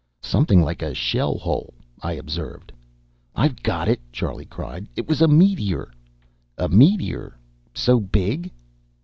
"Something like a shell hole," I observed. "I've got it!" Charlie cried. "It was a meteor!" "A meteor? So big?"